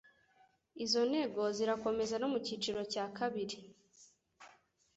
Izo ntego zirakomeza no mu kiciro cya kabiri